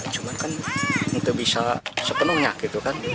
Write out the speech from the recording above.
cuma kan udah bisa sepenuhnya gitu kan